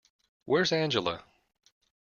Where's Angela?